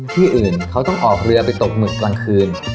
ที่อื่นเขาต้องออกเรือไปตกหมึกกลางคืน